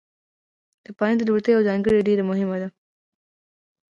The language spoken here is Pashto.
د بارنس د لېوالتیا يوه ځانګړتيا ډېره مهمه وه.